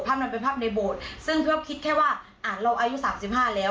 ภาพนั้นเป็นภาพในโบสถ์ซึ่งเพื่อคิดแค่ว่าเราอายุ๓๕แล้ว